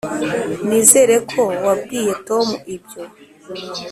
] nizere ko wabwiye tom ibyo. (